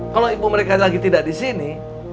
kalau ibu mereka lagi tidak di sini